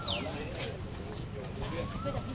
สวัสดีทุกคน